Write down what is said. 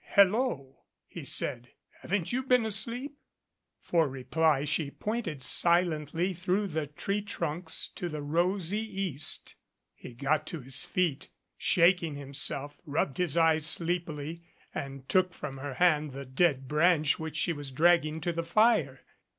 "Hello!" he said. "Haven't you been asleep?" For reply she pointed silently through the tree trunks to the rosy East. He got to his feet, shaking himself, rubbed his eyes. 153 MADCAP sleepily, and took from her hand the dead branch which she was dragging to the fire.